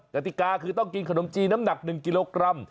กติกาคือต้องกินขนมจีนน้ำหนัก๑กิโลกรัม